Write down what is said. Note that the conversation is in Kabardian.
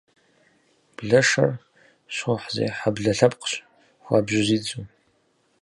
Блэшэр щхъухьзехьэ блэ лъэпкъщ, хуабжьу зидзу.